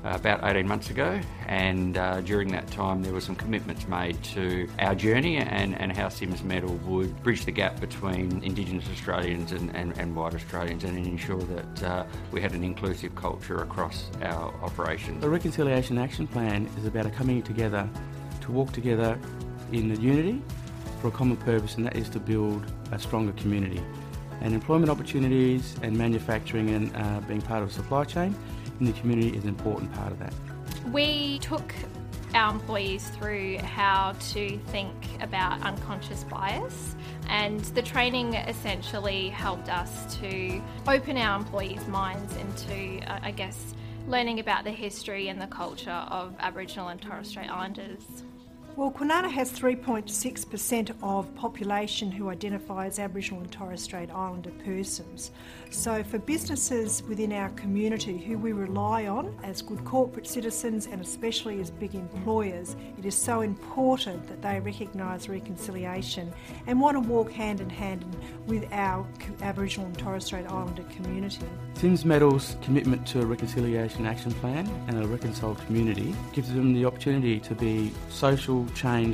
Thank you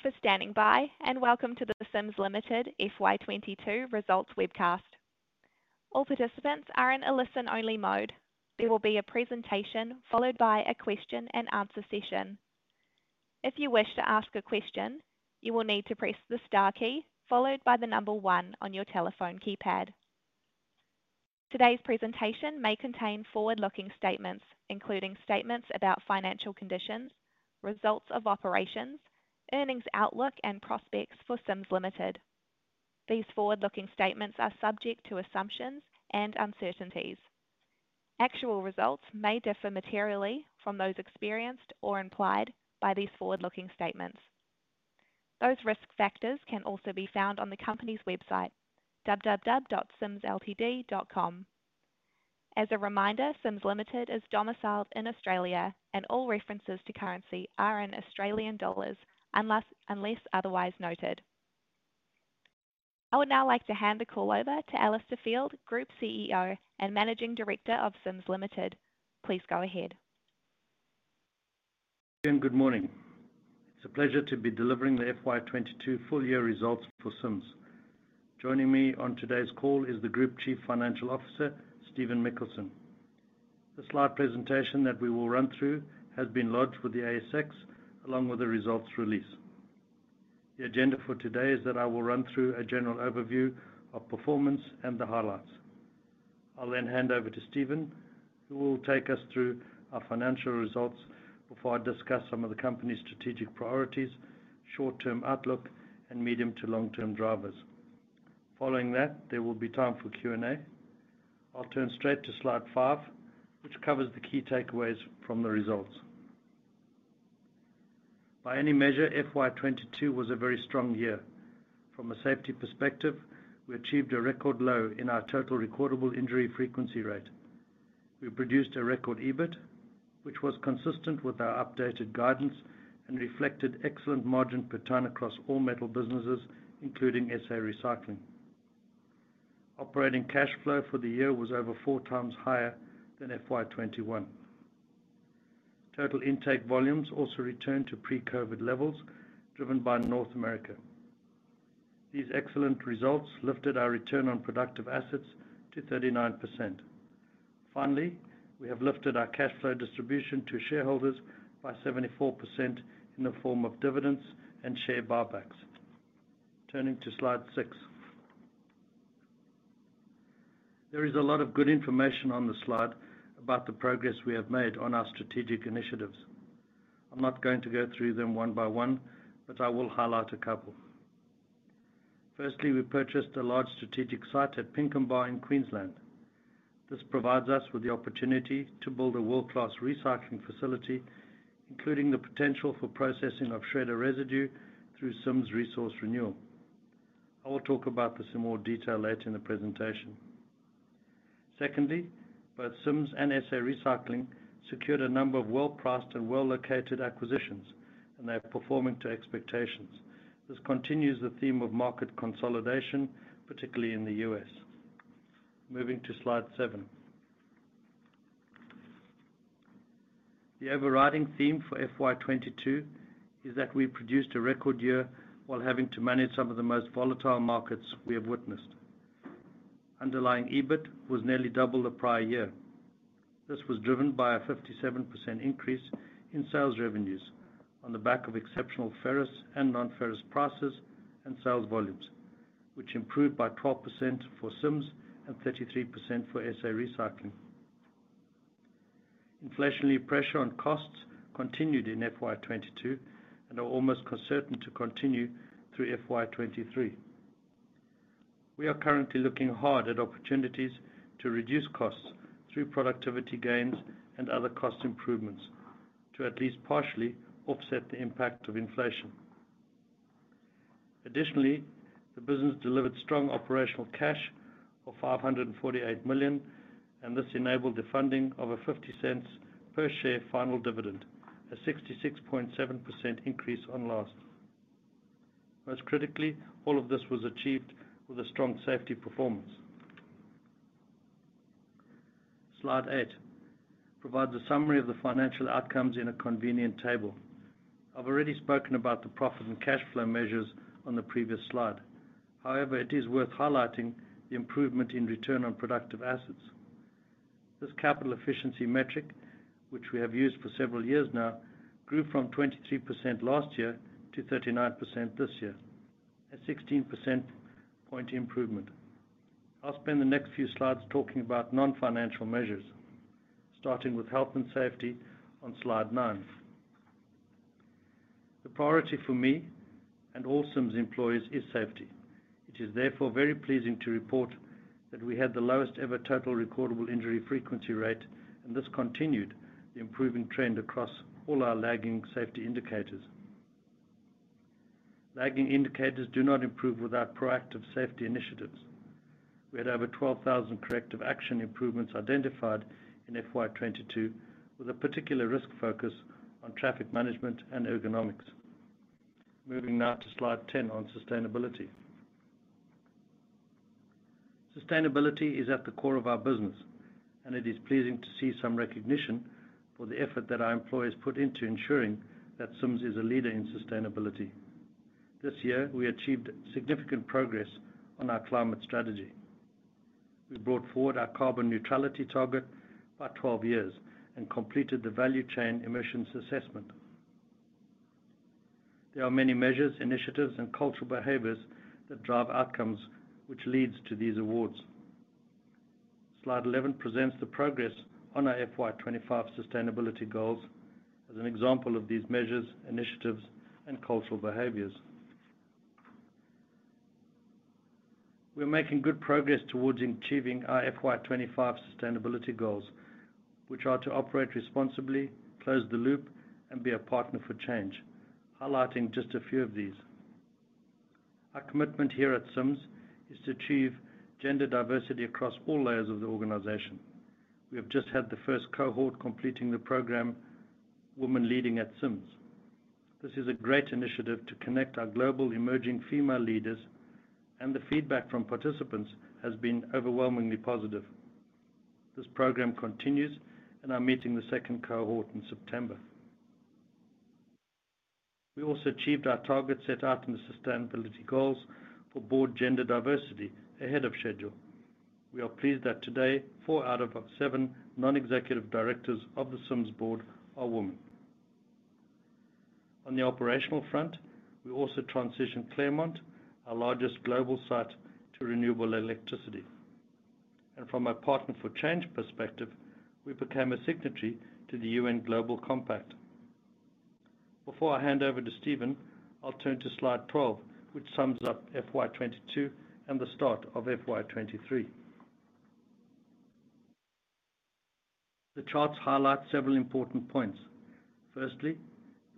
for standing by, and welcome to the Sims Limited FY 2022 results webcast. All participants are in a listen-only mode. There will be a presentation followed by a question and answer session. If you wish to ask a question, you will need to press the star key followed by the number one on your telephone keypad. Today's presentation may contain forward-looking statements, including statements about financial conditions, results of operations, earnings outlook, and prospects for Sims Limited. These forward-looking statements are subject to assumptions and uncertainties. Actual results may differ materially from those experienced or implied by these forward-looking statements. Those risk factors can also be found on the company's website, www.simsltd.com. As a reminder, Sims Limited is domiciled in Australia, and all references to currency are in Australian dollars unless otherwise noted. I would now like to hand the call over to Alistair Field, Group CEO and Managing Director of Sims Limited. Please go ahead. Good morning. It's a pleasure to be delivering the FY 2022 full year results for Sims. Joining me on today's call is the Group Chief Financial Officer, Stephen Mikkelsen. The slide presentation that we will run through has been lodged with the ASX along with the results release. The agenda for today is that I will run through a general overview of performance and the highlights. I'll then hand over to Steph, who will take us through our financial results before I discuss some of the company's strategic priorities, short-term outlook, and medium to long-term drivers. Following that, there will be time for Q&A. I'll turn straight to slide five, which covers the key takeaways from the results. By any measure, FY 2022 was a very strong year. From a safety perspective, we achieved a record low in our Total Recordable Injury Frequency Rate. We produced a record EBIT, which was consistent with our updated guidance and reflected excellent margin per ton across all metal businesses, including SA Recycling. Operating cash flow for the year was over four times higher than FY 2021. Total intake volumes also returned to pre-COVID levels, driven by North America. These excellent results lifted our return on productive assets to 39%. Finally, we have lifted our cash flow distribution to shareholders by 74% in the form of dividends and share buybacks. Turning to slide six. There is a lot of good information on the slide about the progress we have made on our strategic initiatives. I'm not going to go through them one by one, but I will highlight a couple. Firstly, we purchased a large strategic site at Pinkenba in Queensland. This provides us with the opportunity to build a world-class recycling facility, including the potential for processing of shredder residue through Sims Resource Renewal. I will talk about this in more detail later in the presentation. Secondly, both Sims and SA Recycling secured a number of well-priced and well-located acquisitions, and they are performing to expectations. This continues the theme of market consolidation, particularly in the U.S. Moving to slide seven. The overriding theme for FY 2022 is that we produced a record year while having to manage some of the most volatile markets we have witnessed. Underlying EBIT was nearly double the prior year. This was driven by a 57% increase in sales revenues on the back of exceptional ferrous and non-ferrous prices and sales volumes, which improved by 12% for Sims and 33% for SA Recycling. Inflationary pressure on costs continued in FY 2022 and are almost certain to continue through FY 2023. We are currently looking hard at opportunities to reduce costs through productivity gains and other cost improvements to at least partially offset the impact of inflation. Additionally, the business delivered strong operational cash of 548 million, and this enabled the funding of a 0.50 per share final dividend, a 66.7% increase on last. Most critically, all of this was achieved with a strong safety performance. Slide eight provides a summary of the financial outcomes in a convenient table. I've already spoken about the profit and cash flow measures on the previous slide. However, it is worth highlighting the improvement in return on productive assets. This capital efficiency metric, which we have used for several years now, grew from 23% last year to 39% this year, a 16 percentage point improvement. I'll spend the next few slides talking about non-financial measures, starting with health and safety on slide nine. The priority for me and all Sims employees is safety. It is therefore very pleasing to report that we had the lowest ever Total Recordable Injury Frequency Rate, and this continued the improving trend across all our lagging safety indicators. Lagging indicators do not improve without proactive safety initiatives. We had over 12,000 corrective action improvements identified in FY 2022, with a particular risk focus on traffic management and ergonomics. Moving now to slide 10 on sustainability. Sustainability is at the core of our business, and it is pleasing to see some recognition for the effort that our employees put into ensuring that Sims is a leader in sustainability. This year, we achieved significant progress on our climate strategy. We brought forward our carbon neutrality target by 12 years and completed the value chain emissions assessment. There are many measures, initiatives, and cultural behaviors that drive outcomes which leads to these awards. Slide 11 presents the progress on our FY 25 sustainability goals as an example of these measures, initiatives, and cultural behaviors. We're making good progress towards achieving our FY 25 sustainability goals, which are to operate responsibly, close the loop, and be a partner for change, highlighting just a few of these. Our commitment here at Sims is to achieve gender diversity across all layers of the organization. We have just had the first cohort completing the program, Women Leading @ Sims. This is a great initiative to connect our global emerging female leaders, and the feedback from participants has been overwhelmingly positive. This program continues, and we're meeting the second cohort in September. We also achieved our target set out in the sustainability goals for board gender diversity ahead of schedule. We are pleased that today, four out of our seven non-executive directors of the Sims board are women. On the operational front, we also transitioned Claremont, our largest global site, to renewable electricity. From a Partner for Change perspective, we became a signatory to the UN Global Compact. Before I hand over to Stephen, I'll turn to slide 12, which sums up FY 2022 and the start of FY 2023. The charts highlight several important points. Firstly,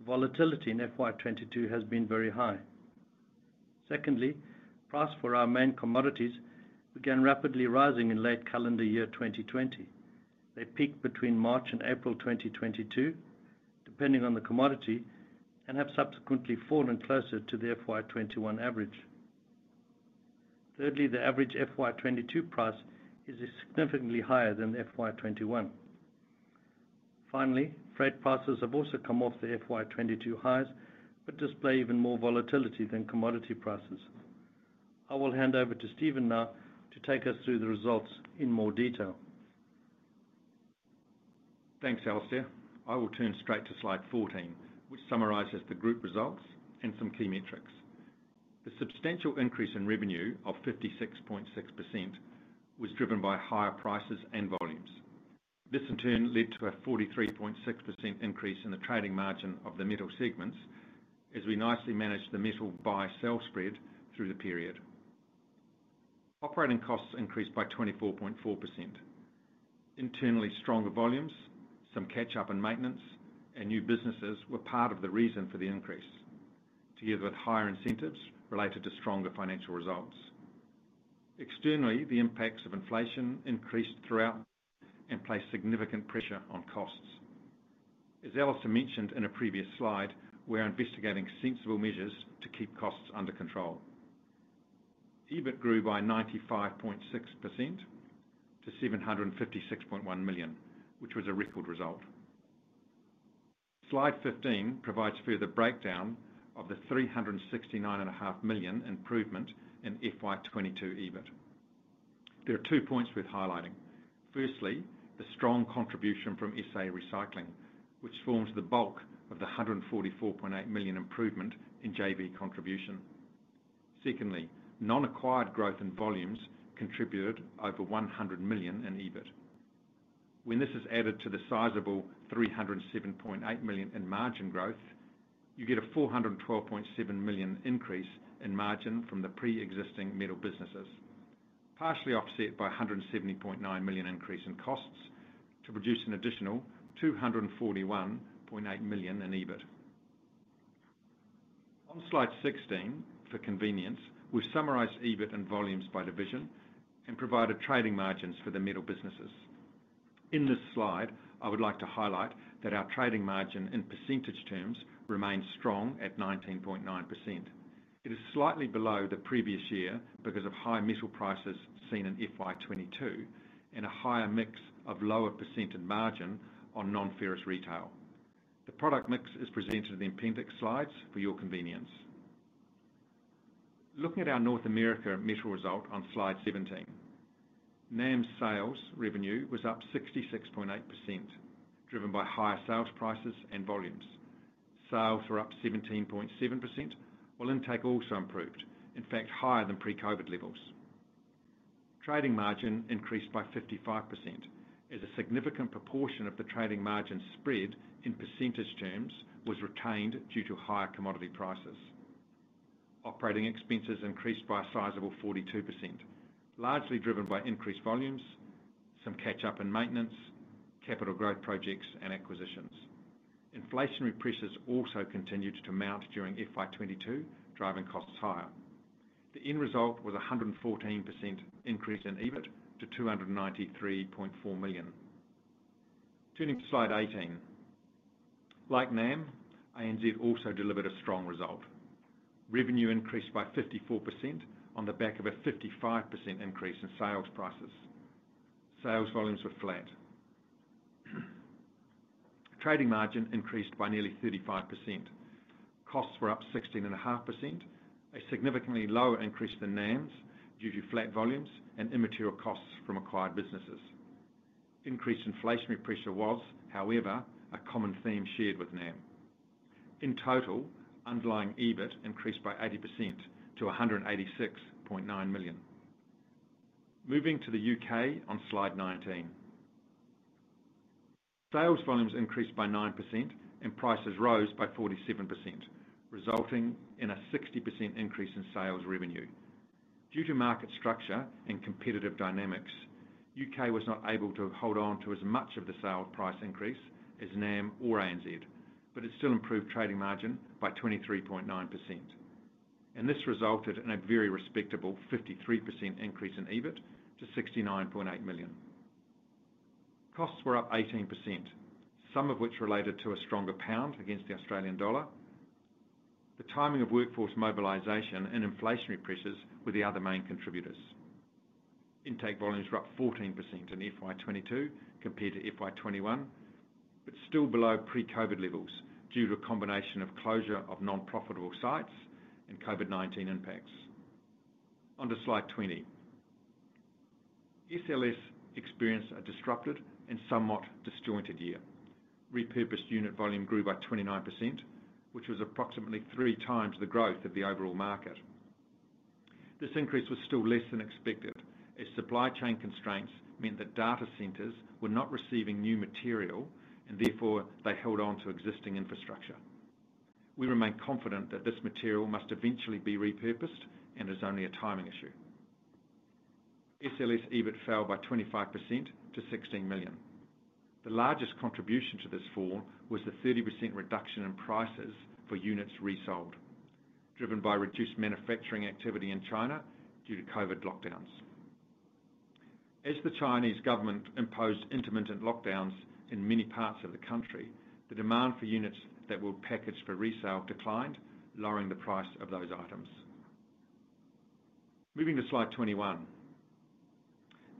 volatility in FY 2022 has been very high. Secondly, price for our main commodities began rapidly rising in late calendar year 2020. They peaked between March and April 2022, depending on the commodity, and have subsequently fallen closer to the FY 2021 average. Thirdly, the average FY 2022 price is significantly higher than FY 2021. Finally, freight prices have also come off the FY 2022 highs but display even more volatility than commodity prices. I will hand over to Stephen now to take us through the results in more detail. Thanks, Alistair. I will turn straight to slide 14, which summarizes the group results and some key metrics. The substantial increase in revenue of 56.6% was driven by higher prices and volumes. This in turn led to a 43.6% increase in the trading margin of the metal segments as we nicely managed the metal buy-sell spread through the period. Operating costs increased by 24.4%. Internally stronger volumes, some catch-up in maintenance, and new businesses were part of the reason for the increase, together with higher incentives related to stronger financial results. Externally, the impacts of inflation increased throughout and placed significant pressure on costs. As Alistair mentioned in a previous slide, we're investigating sensible measures to keep costs under control. EBIT grew by 95.6% to 756.1 million, which was a record result. Slide 15 provides further breakdown of the 369.5 million improvement in FY 2022 EBIT. There are two points worth highlighting. Firstly, the strong contribution from SA Recycling, which forms the bulk of the 144.8 million improvement in JV contribution. Secondly, non-acquired growth in volumes contributed over 100 million in EBIT. When this is added to the sizable 307.8 million in margin growth, you get a 412.7 million increase in margin from the pre-existing metal businesses, partially offset by a 170.9 million increase in costs to produce an additional 241.8 million in EBIT. On Slide 16, for convenience, we've summarized EBIT and volumes by division and provided trading margins for the metal businesses. In this slide, I would like to highlight that our trading margin in percentage terms remains strong at 19.9%. It is slightly below the previous year because of high metal prices seen in FY 2022 and a higher mix of lower percent in margin on non-ferrous retail. The product mix is presented in the appendix slides for your convenience. Looking at our North America metal result on slide 17. NAM's sales revenue was up 66.8%, driven by higher sales prices and volumes. Sales were up 17.7%, while intake also improved. In fact, higher than pre-COVID levels. Trading margin increased by 55% as a significant proportion of the trading margin spread in percentage terms was retained due to higher commodity prices. Operating expenses increased by a sizable 42%, largely driven by increased volumes, some catch up in maintenance, capital growth projects, and acquisitions. Inflationary pressures also continued to mount during FY 2022, driving costs higher. The end result was a 114% increase in EBIT to 293.4 million. Turning to slide 18. Like NAM, ANZ also delivered a strong result. Revenue increased by 54% on the back of a 55% increase in sales prices. Sales volumes were flat. Trading margin increased by nearly 35%. Costs were up 16.5%, a significantly lower increase than NAM's due to flat volumes and immaterial costs from acquired businesses. Increased inflationary pressure was, however, a common theme shared with NAM. In total, underlying EBIT increased by 80% to 186.9 million. Moving to the UK on slide 19. Sales volumes increased by 9% and prices rose by 47%, resulting in a 60% increase in sales revenue. Due to market structure and competitive dynamics, UK was not able to hold on to as much of the sale price increase as NAM or ANZ, but it still improved trading margin by 23.9%. This resulted in a very respectable 53% increase in EBIT to 69.8 million. Costs were up 18%, some of which related to a stronger pound against the Australian dollar. The timing of workforce mobilization and inflationary pressures were the other main contributors. Intake volumes were up 14% in FY 2022 compared to FY 2021, but still below pre-COVID levels due to a combination of closure of non-profitable sites and COVID-19 impacts. On to slide 20. SLS experienced a disrupted and somewhat disjointed year. Repurposed unit volume grew by 29%, which was approximately three times the growth of the overall market. This increase was still less than expected, as supply chain constraints meant that data centers were not receiving new material, and therefore they held on to existing infrastructure. We remain confident that this material must eventually be repurposed and is only a timing issue. SLS EBIT fell by 25% to 16 million. The largest contribution to this fall was the 30% reduction in prices for units resold, driven by reduced manufacturing activity in China due to COVID lockdowns. As the Chinese government imposed intermittent lockdowns in many parts of the country, the demand for units that were packaged for resale declined, lowering the price of those items. Moving to slide 21.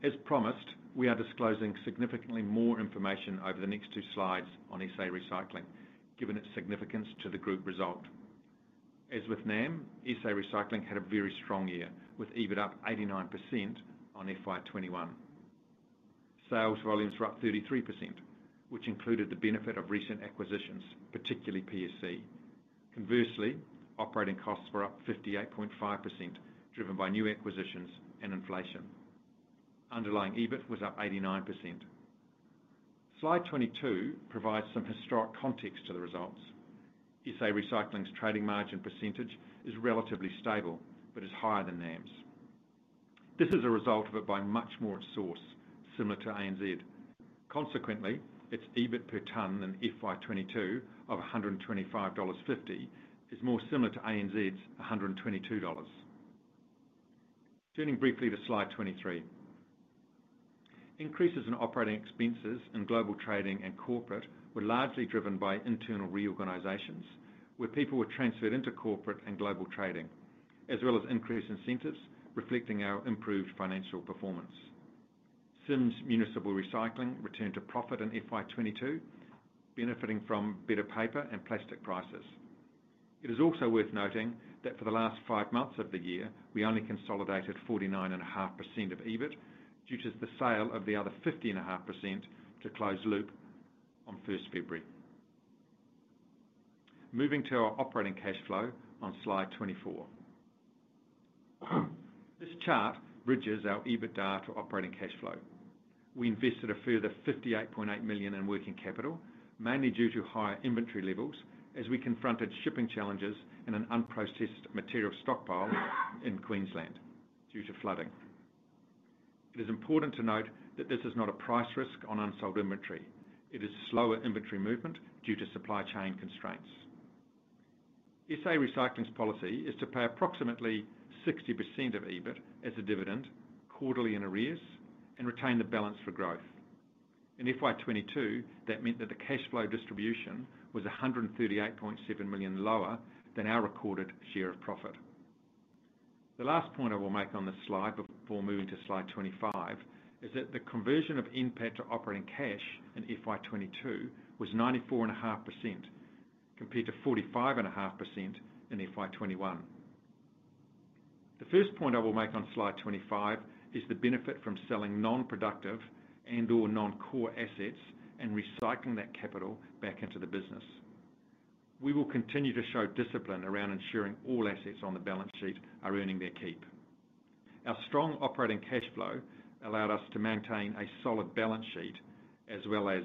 As promised, we are disclosing significantly more information over the next two slides on SA Recycling, given its significance to the group result. As with NAM, SA Recycling had a very strong year, with EBIT up 89% on FY 2021. Sales volumes were up 33%, which included the benefit of recent acquisitions, particularly PSC. Conversely, operating costs were up 58.5%, driven by new acquisitions and inflation. Underlying EBIT was up 89%. Slide 22 provides some historic context to the results. SA Recycling's trading margin percentage is relatively stable, but is higher than NAM's. This is a result of it buying much more at source, similar to ANZ. Consequently, its EBIT per ton in FY 2022 of $125.50 is more similar to ANZ's $122. Turning briefly to slide 23. Increases in operating expenses in global trading and corporate were largely driven by internal reorganizations, where people were transferred into corporate and global trading, as well as increased incentives reflecting our improved financial performance. Sims Municipal Recycling returned to profit in FY 2022, benefiting from better paper and plastic prices. It is also worth noting that for the last five months of the year, we only consolidated 49.5% of EBIT due to the sale of the other 50.5% to Closed Loop on first February. Moving to our operating cash flow on slide 24. This chart bridges our EBITDA to operating cash flow. We invested a further 58.8 million in working capital, mainly due to higher inventory levels as we confronted shipping challenges and an unprocessed material stockpile in Queensland due to flooding. It is important to note that this is not a price risk on unsold inventory. It is slower inventory movement due to supply chain constraints. SA Recycling's policy is to pay approximately 60% of EBIT as a dividend quarterly in arrears and retain the balance for growth. In FY 2022, that meant that the cash flow distribution was $138.7 million lower than our recorded share of profit. The last point I will make on this slide before moving to slide 25 is that the conversion of NPAT to operating cash in FY 2022 was 94.5%, compared to 45.5% in FY 2021. The first point I will make on slide 25 is the benefit from selling non-productive and/or non-core assets and recycling that capital back into the business. We will continue to show discipline around ensuring all assets on the balance sheet are earning their keep. Our strong operating cash flow allowed us to maintain a solid balance sheet as well as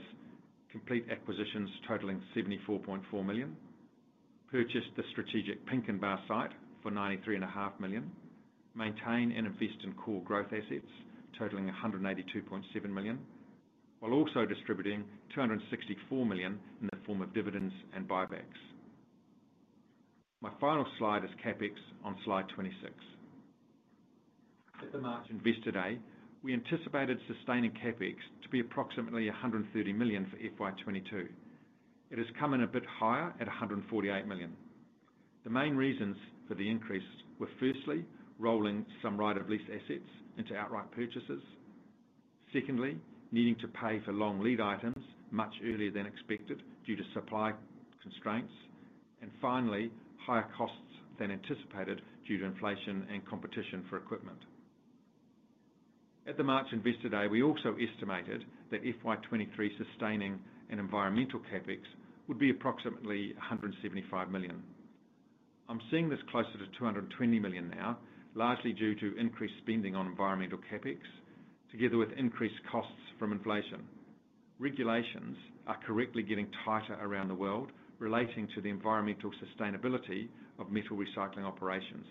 complete acquisitions totaling 74.4 million, purchase the strategic Pinkenba site for 93.5 million, maintain and invest in core growth assets totaling 182.7 million, while also distributing 264 million in the form of dividends and buybacks. My final slide is CapEx on slide 26. At the March Investor Day, we anticipated sustaining CapEx to be approximately 130 million for FY 2022. It has come in a bit higher at 148 million. The main reasons for the increase were, firstly, rolling some right-of-lease assets into outright purchases. Secondly, needing to pay for long lead items much earlier than expected due to supply constraints. Finally, higher costs than anticipated due to inflation and competition for equipment. At the March Investor Day, we also estimated that FY 2023 sustaining and environmental CapEx would be approximately 175 million. I'm seeing this closer to 220 million now, largely due to increased spending on environmental CapEx together with increased costs from inflation. Regulations are correctly getting tighter around the world relating to the environmental sustainability of metal recycling operations.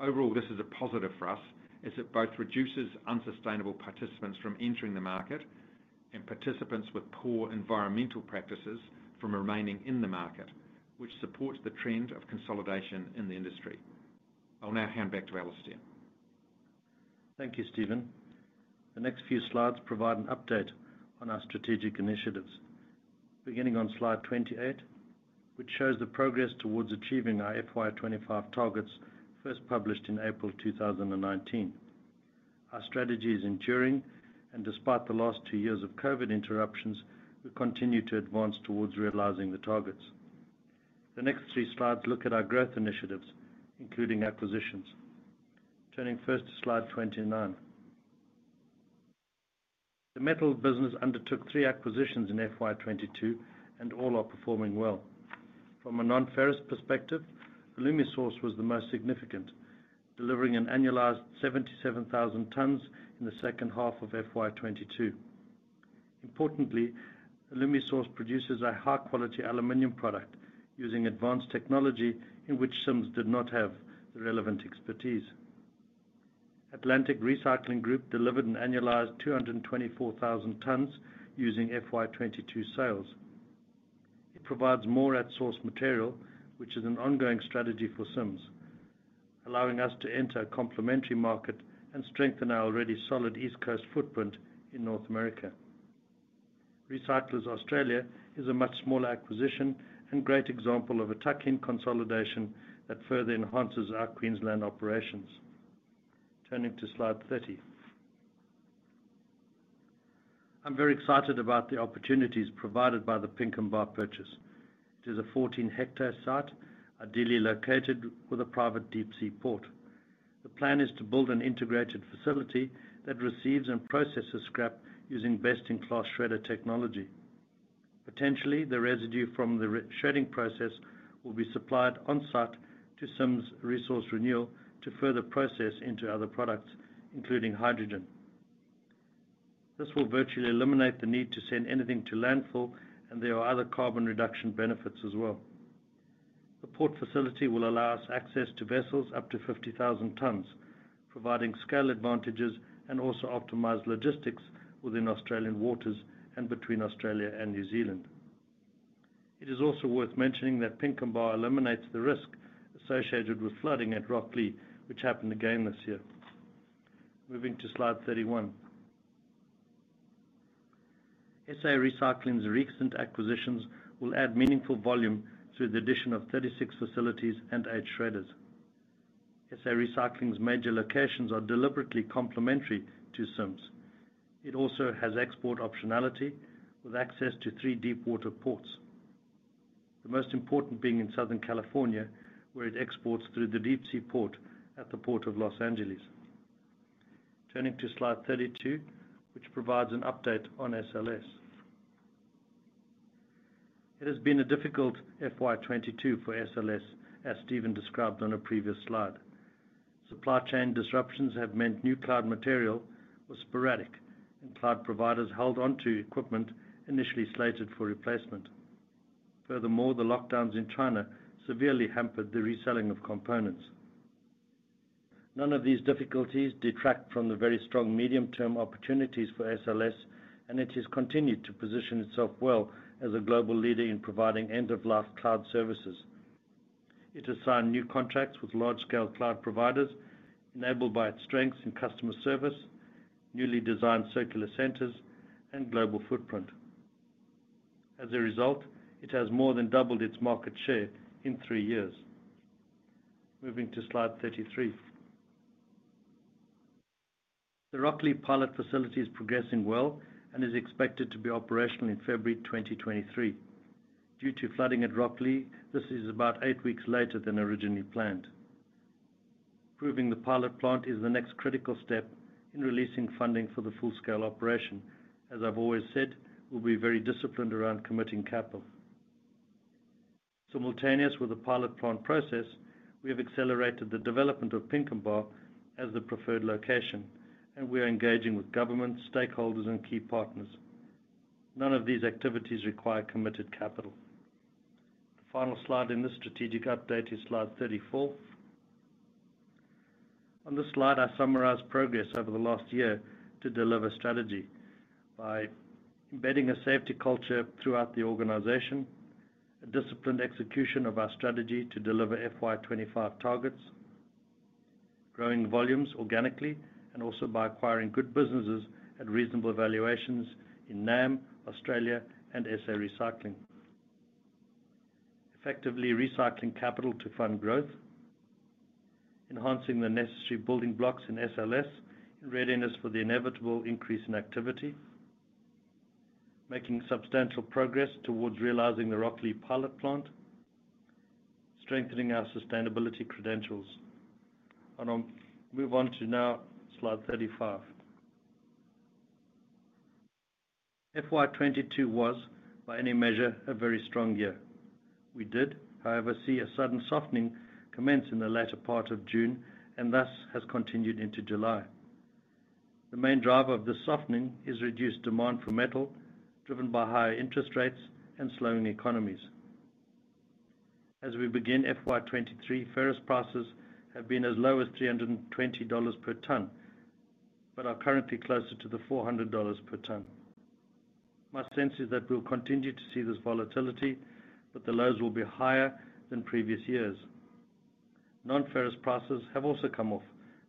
Overall, this is a positive for us as it both reduces unsustainable participants from entering the market and participants with poor environmental practices from remaining in the market, which supports the trend of consolidation in the industry. I'll now hand back to Alistair. Thank you, Stephen. The next few slides provide an update on our strategic initiatives. Beginning on slide 28, which shows the progress towards achieving our FY 25 targets, first published in April 2019. Our strategy is enduring, and despite the last 2 years of COVID interruptions, we continue to advance towards realizing the targets. The next 3 slides look at our growth initiatives, including acquisitions. Turning first to slide 29. The metals business undertook 3 acquisitions in FY 22, and all are performing well. From a non-ferrous perspective, Alumisource was the most significant, delivering an annualized 77,000 tons in the second half of FY 22. Importantly, Alumisource produces a high-quality aluminum product using advanced technology in which Sims did not have the relevant expertise. Atlantic Recycling Group delivered an annualized 224,000 tons using FY 22 sales. It provides more at source material, which is an ongoing strategy for Sims, allowing us to enter a complementary market and strengthen our already solid East Coast footprint in North America. Recyclers Australia is a much smaller acquisition and great example of a tuck-in consolidation that further enhances our Queensland operations. Turning to slide 30. I'm very excited about the opportunities provided by the Pinkenba purchase. It is a 14-hectare site, ideally located with a private deep sea port. The plan is to build an integrated facility that receives and processes scrap using best-in-class shredder technology. Potentially, the residue from the shredding process will be supplied on-site to Sims Resource Renewal to further process into other products, including hydrogen. This will virtually eliminate the need to send anything to landfill, and there are other carbon reduction benefits as well. The port facility will allow us access to vessels up to 50,000 tons, providing scale advantages and also optimize logistics within Australian waters and between Australia and New Zealand. It is also worth mentioning that Pinkenba eliminates the risk associated with flooding at Rocklea, which happened again this year. Moving to slide 31. SA Recycling's recent acquisitions will add meaningful volume through the addition of 36 facilities and 8 shredders. SA Recycling's major locations are deliberately complementary to Sims. It also has export optionality with access to 3 deep water ports. The most important being in Southern California, where it exports through the deep sea port at the Port of Los Angeles. Turning to slide 32, which provides an update on SLS. It has been a difficult FY 2022 for SLS, as Stephen described on a previous slide. Supply chain disruptions have meant new cloud material was sporadic, and cloud providers held on to equipment initially slated for replacement. Furthermore, the lockdowns in China severely hampered the reselling of components. None of these difficulties detract from the very strong medium-term opportunities for SLS, and it has continued to position itself well as a global leader in providing end-of-life cloud services. It has signed new contracts with large-scale cloud providers enabled by its strengths in customer service, newly designed circular centers, and global footprint. As a result, it has more than doubled its market share in 3 years. Moving to slide 33. The Rocklea pilot facility is progressing well and is expected to be operational in February 2023. Due to flooding at Rocklea, this is about 8 weeks later than originally planned. Proving the pilot plant is the next critical step in releasing funding for the full-scale operation. As I've always said, we'll be very disciplined around committing capital. Simultaneous with the pilot plant process, we have accelerated the development of Pinkenba as the preferred location, and we are engaging with governments, stakeholders, and key partners. None of these activities require committed capital. The final slide in this strategic update is slide 34. On this slide, I summarize progress over the last year to deliver strategy by embedding a safety culture throughout the organization. A disciplined execution of our strategy to deliver FY 25 targets. Growing volumes organically and also by acquiring good businesses at reasonable valuations in NAM, Australia, and SA Recycling. Effectively recycling capital to fund growth. Enhancing the necessary building blocks in SLS in readiness for the inevitable increase in activity. Making substantial progress towards realizing the Rocklea pilot plant. Strengthening our sustainability credentials. I'll move on to now slide 35. FY 2022 was, by any measure, a very strong year. We did, however, see a sudden softening commence in the latter part of June and thus has continued into July. The main driver of this softening is reduced demand for metal, driven by higher interest rates and slowing economies. As we begin FY 2023, ferrous prices have been as low as $320 per ton, but are currently closer to the $400 per ton. My sense is that we'll continue to see this volatility, but the lows will be higher than previous years. Non-ferrous prices have also come off,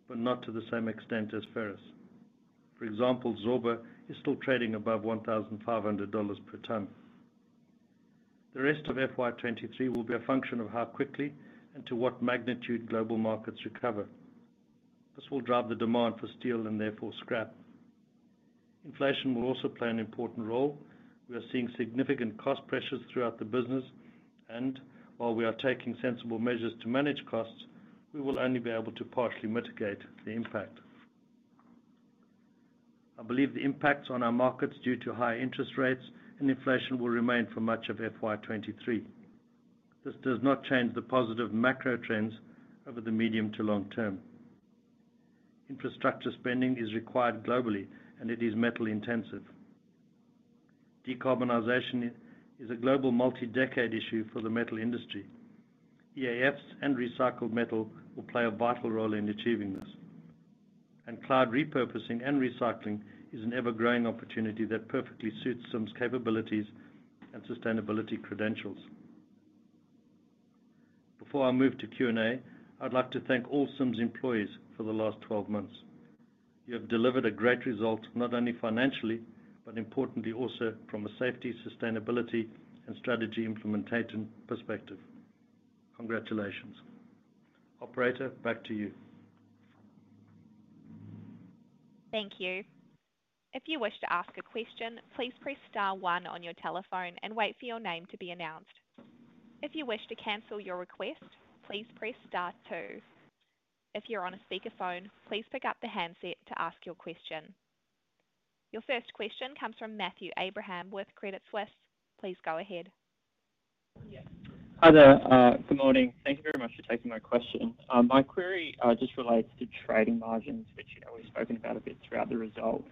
but not to the same extent as ferrous. For example, Zorba is still trading above $1,500 per ton. The rest of FY 2023 will be a function of how quickly and to what magnitude global markets recover. This will drive the demand for steel and therefore scrap. Inflation will also play an important role. We are seeing significant cost pressures throughout the business, and while we are taking sensible measures to manage costs, we will only be able to partially mitigate the impact. I believe the impacts on our markets due to high interest rates and inflation will remain for much of FY 2023. This does not change the positive macro trends over the medium to long term. Infrastructure spending is required globally and it is metal intensive. Decarbonization is a global multi-decade issue for the metal industry. EAFs and recycled metal will play a vital role in achieving this. Cloud repurposing and recycling is an ever-growing opportunity that perfectly suits Sims' capabilities and sustainability credentials. Before I move to Q&A, I'd like to thank all Sims employees for the last 12 months. You have delivered a great result, not only financially, but importantly also from a safety, sustainability, and strategy implementation perspective. Congratulations. Operator, back to you. Thank you. If you wish to ask a question, please press star one on your telephone and wait for your name to be announced. If you wish to cancel your request, please press star two. If you're on a speakerphone, please pick up the handset to ask your question. Your first question comes from Matthew Abraham with Credit Suisse. Please go ahead. Yeah. Hi there. Good morning. Thank you very much for taking my question. My query just relates to trading margins, which, you know, we've spoken about a bit throughout the result.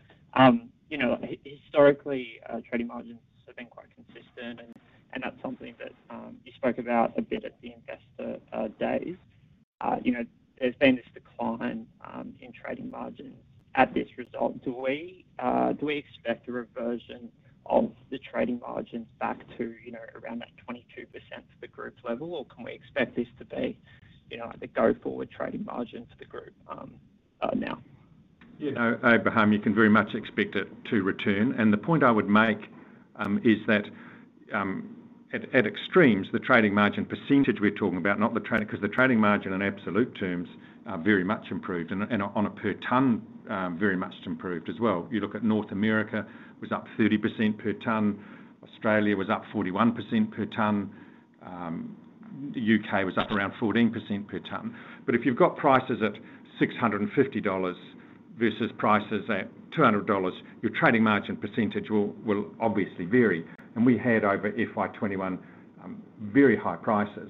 You know, historically, trading margins have been quite consistent, and that's something that you spoke about a bit at the investor days. You know, there's been this decline in trading margins at this result. Do we expect a reversion of the trading margins back to, you know, around that 22% for the group's level? Or can we expect this to be, you know, the go forward trading margin for the group now? You know, Abraham, you can very much expect it to return. The point I would make is that at extremes, the trading margin percentage we're talking about, not, 'cause the trading margin in absolute terms are very much improved. On a per ton, very much improved as well. You look at North America was up 30% per ton. Australia was up 41% per ton. The U.K. was up around 14% per ton. If you've got prices at $650 versus prices at $200, your trading margin percentage will obviously vary. We had over FY 2021 very high prices.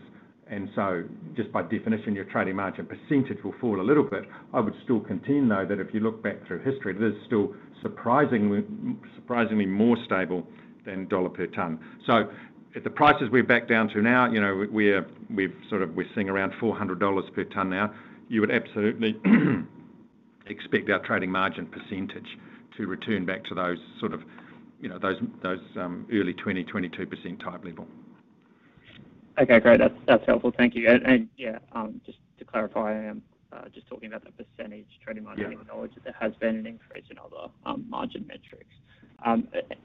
Just by definition, your trading margin percentage will fall a little bit. I would still contend, though, that if you look back through history, it is still surprisingly more stable than dollar per ton. At the prices we're back down to now, you know, we're seeing around $400 per ton now. You would absolutely expect our trading margin percentage to return back to those sort of, you know, those early 20%-22% type level. Okay, great. That's helpful. Thank you. Yeah, just to clarify, I am just talking about the percentage trading margin. Yeah. I acknowledge that there has been an increase in other, margin metrics.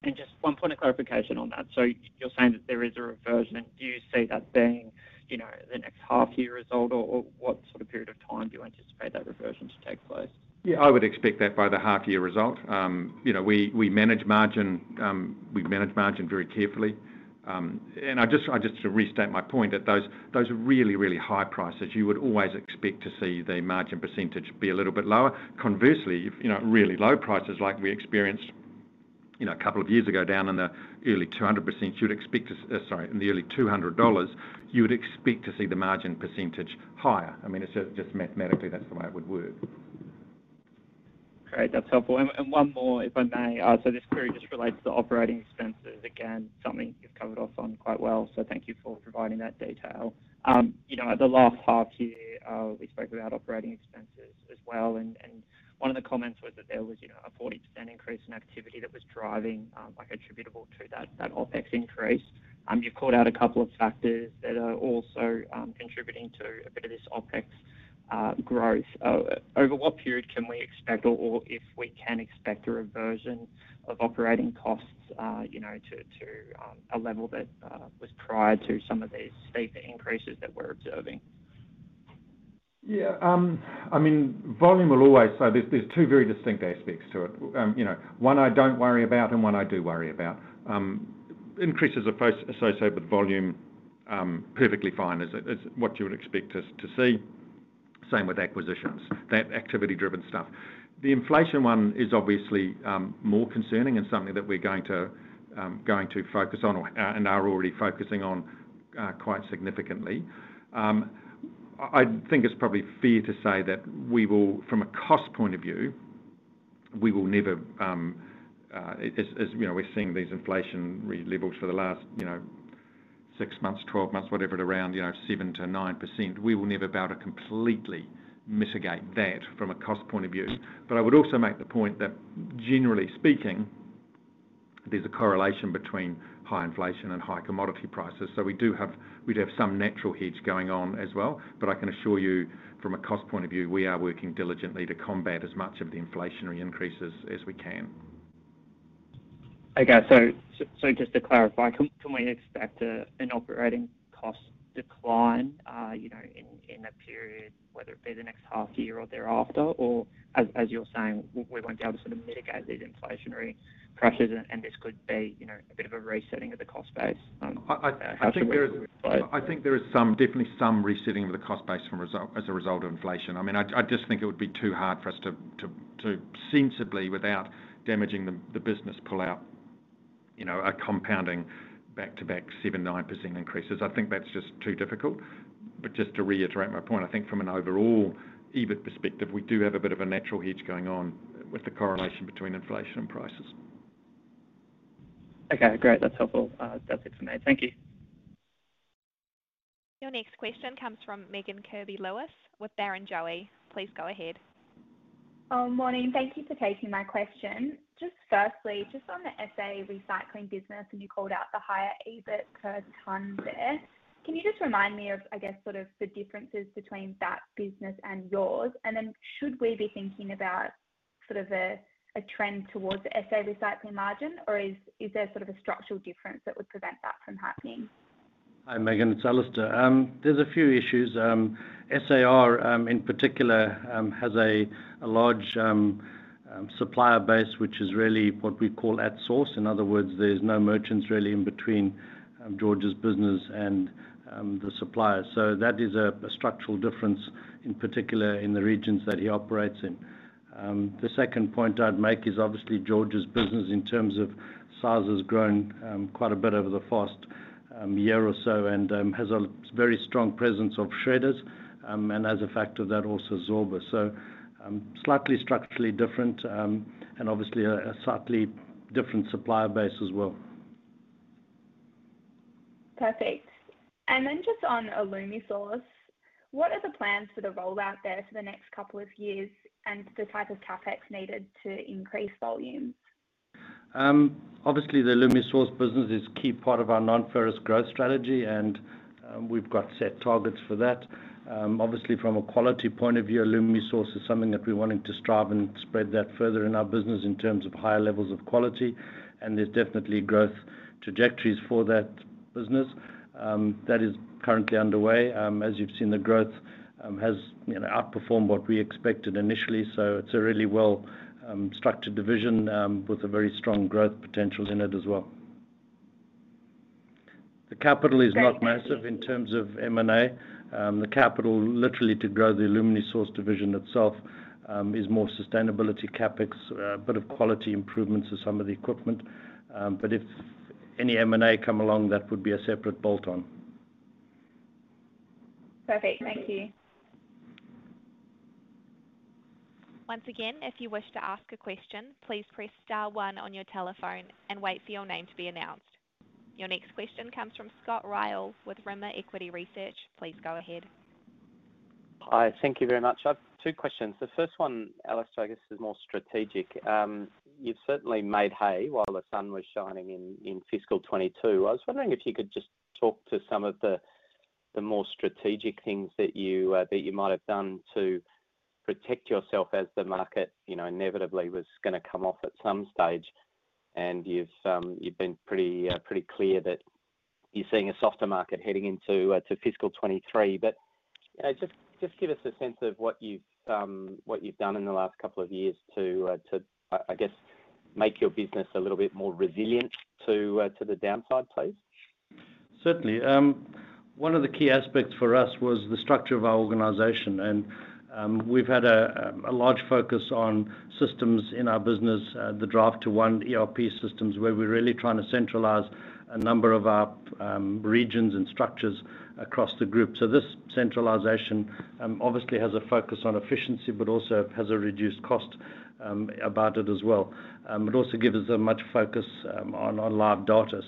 Just one point of clarification on that. You're saying that there is a reversion. Do you see that being, you know, the next half year result? Or what sort of period of time do you anticipate that reversion to take place? Yeah, I would expect that by the half year result. You know, we manage margin very carefully. I restate my point that those really high prices, you would always expect to see the margin percentage be a little bit lower. Conversely, if you know, really low prices like we experienced, you know, a couple of years ago, down in the early 200 dollars, you would expect to see the margin percentage higher. I mean, it's just mathematically, that's the way it would work. Great. That's helpful. One more, if I may. So this query just relates to operating expenses. Again, something you've covered off on quite well, so thank you for providing that detail. You know, at the last half year, we spoke about operating expenses as well, and one of the comments was that there was, you know, a 40% increase in activity that was driving, like attributable to that OpEx increase. You've called out a couple of factors that are also contributing to a bit of this OpEx growth. Over what period can we expect or if we can expect a reversion of operating costs, you know, to a level that was prior to some of these steeper increases that we're observing? I mean, volume will always. There's 2 very distinct aspects to it. You know, one I don't worry about and one I do worry about. Increases associated with volume, perfectly fine. It's what you would expect us to see. Same with acquisitions. That activity-driven stuff. The inflation one is obviously more concerning and something that we're going to focus on and are already focusing on, quite significantly. I think it's probably fair to say that we will, from a cost point of view, we will never, as you know, we're seeing these inflationary levels for the last, you know, 6 months, 12 months, whatever, at around, you know, 7%-9%, we will never be able to completely mitigate that from a cost point of view. I would also make the point that generally speaking, there's a correlation between high inflation and high commodity prices. We'd have some natural hedge going on as well. I can assure you from a cost point of view, we are working diligently to combat as much of the inflationary increases as we can. Okay. Just to clarify, can we expect an operating cost decline, you know, in the period, whether it be the next half year or thereafter? Or as you're saying, we won't be able to sort of mitigate these inflationary pressures and this could be, you know, a bit of a resetting of the cost base. I think there is some, definitely some resetting of the cost base from result, as a result of inflation. I mean, I just think it would be too hard for us to sensibly, without damaging the business, pull out, you know, a compounding back-to-back 7%-9% increases. I think that's just too difficult. Just to reiterate my point, I think from an overall EBIT perspective, we do have a bit of a natural hedge going on with the correlation between inflation and prices. Okay, great. That's helpful. That's it for me. Thank you. Your next question comes from Megan Kirby-Lewis with Barrenjoey. Please go ahead. Oh, morning. Thank you for taking my question. Just firstly, just on the SA Recycling business, and you called out the higher EBIT per ton there. Can you just remind me of, I guess, sort of the differences between that business and yours? And then should we be thinking about sort of a trend towards the SA Recycling margin, or is there sort of a structural difference that would prevent that from happening? Hi Megan, it's Alistair. There's a few issues. SAR, in particular, has a large supplier base, which is really what we call at source. In other words, there's no merchants really in between, George's business and the suppliers. That is a structural difference in particular in the regions that he operates in. The second point I'd make is obviously George's business in terms of size has grown quite a bit over the past year or so, and has a very strong presence of shredders, and acts as a factor that also absorbs. Slightly structurally different, and obviously a slightly different supplier base as well. Perfect. Just on Alumisource, what are the plans for the rollout there for the next couple of years and the type of CapEx needed to increase volume? Obviously the AlumiSource business is key part of our non-ferrous growth strategy, and we've got set targets for that. Obviously from a quality point of view, AlumiSource is something that we're wanting to strive and spread that further in our business in terms of higher levels of quality, and there's definitely growth trajectories for that business that is currently underway. As you've seen, the growth has, you know, outperformed what we expected initially, so it's a really well structured division with a very strong growth potential in it as well. The capital is not massive in terms of M&A. The capital literally to grow the AlumiSource division itself is more sustainability CapEx, a bit of quality improvements to some of the equipment. If any M&A come along, that would be a separate bolt on. Perfect. Thank you. Your next question comes from Scott Ryall with Rimor Equity Research. Please go ahead. Hi. Thank you very much. I've two questions. The first one, Alistair, I guess is more strategic. You've certainly made hay while the sun was shining in fiscal 2022. I was wondering if you could just talk to some of the more strategic things that you might have done to protect yourself as the market, you know, inevitably was gonna come off at some stage and you've been pretty clear that you're seeing a softer market heading into fiscal 2023. You know, just give us a sense of what you've done in the last couple of years to, I guess, make your business a little bit more resilient to the downside, please. Certainly. One of the key aspects for us was the structure of our organization and, we've had a large focus on systems in our business, the drive to one ERP system where we're really trying to centralize a number of our regions and structures across the group. This centralization obviously has a focus on efficiency but also has a reduced cost about it as well. It also gives us a much focus on live data.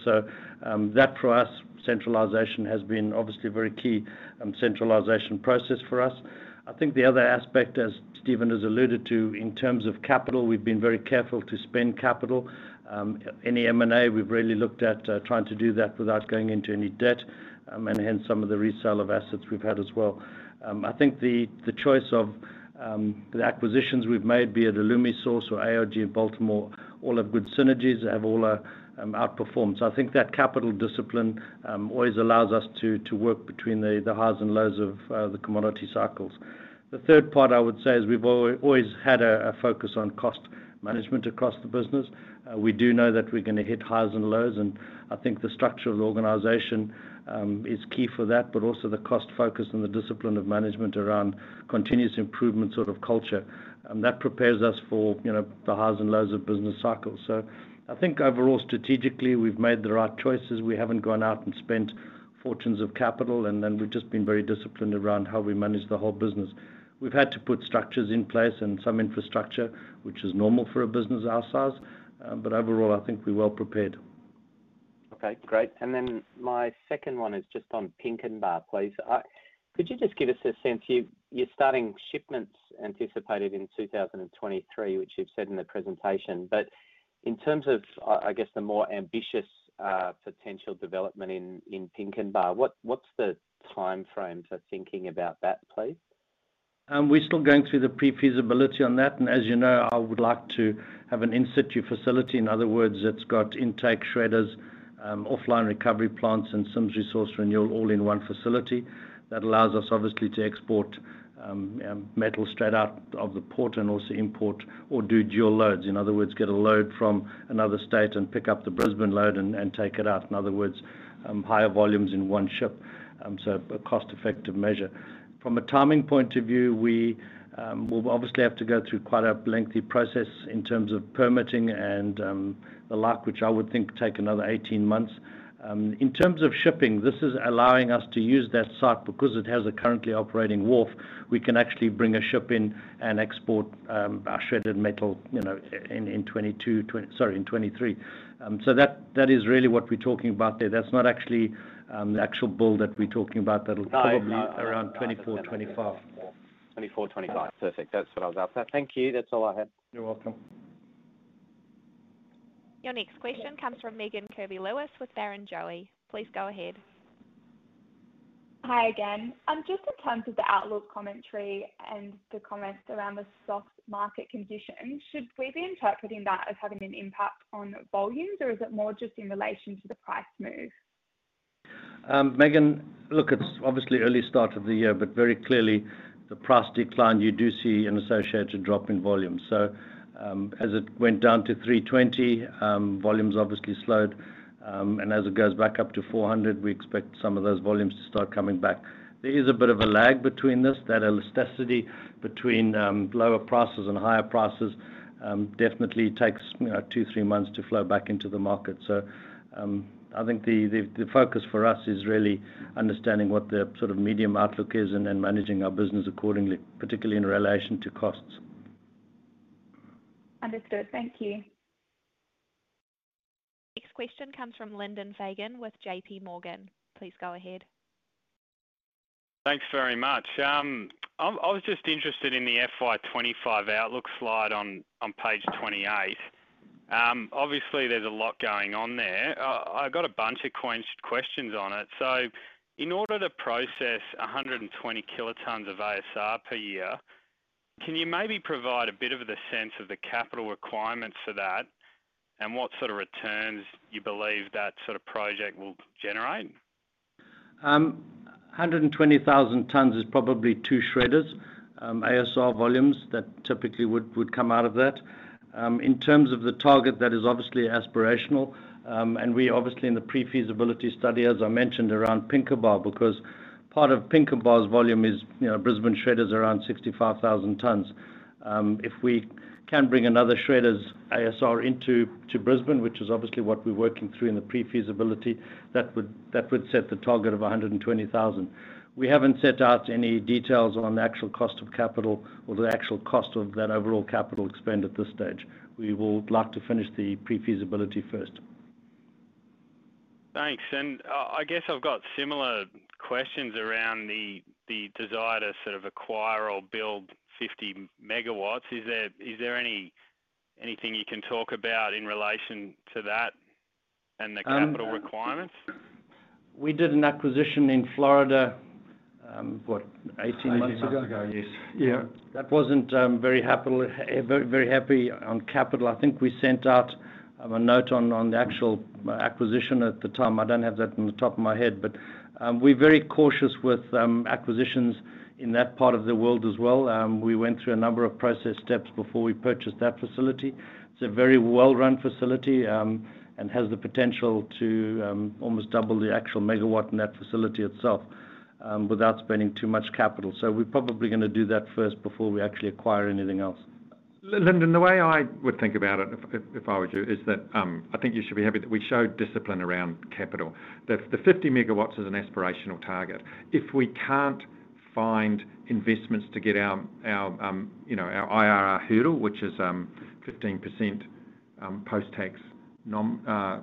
That for us, centralization has been obviously very key, centralization process for us. I think the other aspect as Stephen has alluded to in terms of capital, we've been very careful to spend capital. Any M&A we've really looked at trying to do that without going into any debt, and hence some of the resale of assets we've had as well. I think the choice of the acquisitions we've made be it Alumisource or Atlantic Recycling Group in Baltimore all have good synergies, have all outperformed. I think that capital discipline always allows us to work between the highs and lows of the commodity cycles. The third part I would say is we've always had a focus on cost management across the business. We do know that we're gonna hit highs and lows and I think the structure of the organization is key for that, but also the cost focus and the discipline of management around continuous improvement sort of culture that prepares us for, you know, the highs and lows of business cycles. I think overall strategically we've made the right choices. We haven't gone out and spent fortunes of capital and then we've just been very disciplined around how we manage the whole business. We've had to put structures in place and some infrastructure which is normal for a business our size. Overall I think we're well prepared. Okay, great. My second one is just on Pinkenba, please. Could you just give us a sense, you're starting shipments anticipated in 2023, which you've said in the presentation. In terms of, I guess, the more ambitious potential development in Pinkenba, what's the timeframe for thinking about that, please? We're still going through the pre-feasibility on that, and as you know, I would like to have an integrated facility. In other words, it's got intake shredders, offline recovery plants and some resource renewal all in one facility that allows us obviously to export, metal straight out of the port and also import or do dual loads. In other words, get a load from another state and pick up the Brisbane load and take it out. In other words, higher volumes in one ship. So a cost effective measure. From a timing point of view, we'll obviously have to go through quite a lengthy process in terms of permitting and the like, which I would think take another 18 months. In terms of shipping, this is allowing us to use that site because it has a currently operating wharf. We can actually bring a ship in and export our shredded metal, you know, in 2023. Sorry, that is really what we're talking about there. That's not actually the actual build that we're talking about. That'll probably No around 24, 25. 24, 25. Perfect. That's what I was after. Thank you. That's all I had. You're welcome. Your next question comes from Megan Kirby-Lewis with Barrenjoey. Please go ahead. Hi again. Just in terms of the outlook commentary and the comments around the soft market conditions, should we be interpreting that as having an impact on volumes, or is it more just in relation to the price move? Megan, look, it's obviously early start of the year, but very clearly the price decline, you do see an associated drop in volume. As it went down to 320, volumes obviously slowed, and as it goes back up to 400, we expect some of those volumes to start coming back. There is a bit of a lag between this. That elasticity between lower prices and higher prices definitely takes, you know, two, three months to flow back into the market. I think the focus for us is really understanding what the sort of medium outlook is and then managing our business accordingly, particularly in relation to costs. Understood. Thank you. Next question comes from Lyndon Fagan with JPMorgan. Please go ahead. Thanks very much. I was just interested in the FY 25 outlook slide on page 28. Obviously there's a lot going on there. I've got a bunch of questions on it. In order to process 120 kilotons of ASR per year, can you maybe provide a bit of the sense of the capital requirements for that and what sort of returns you believe that sort of project will generate? 120,000 tons is probably two shredders, ASR volumes that typically would come out of that. In terms of the target, that is obviously aspirational, and we obviously in the pre-feasibility study, as I mentioned around Pinkenba, because part of Pinkenba's volume is, you know, Brisbane shredders around 65,000 tons. If we can bring another shredder's ASR into to Brisbane, which is obviously what we're working through in the pre-feasibility, that would set the target of 120,000. We haven't set out any details on the actual cost of capital or the actual cost of that overall capital spend at this stage. We would like to finish the pre-feasibility first. Thanks. I guess I've got similar questions around the desire to sort of acquire or build 50 MW. Is there anything you can talk about in relation to that and the capital requirements? We did an acquisition in Florida 18 months ago? 18 months ago, yes. Yeah. That wasn't very happy on capital. I think we sent out a note on the actual acquisition at the time. I don't have that on the top of my head, but we're very cautious with acquisitions in that part of the world as well. We went through a number of process steps before we purchased that facility. It's a very well-run facility and has the potential to almost double the actual megawatt in that facility itself without spending too much capital. We're probably gonna do that first before we actually acquire anything else. Lyndon, the way I would think about it if I were you, is that I think you should be happy that we showed discipline around capital. The 50 megawatts is an aspirational target. If we can't find investments to get our IRR hurdle, which is 15% post-tax nominal.